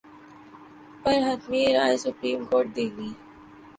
پر حتمی رائے supreme court دے گی۔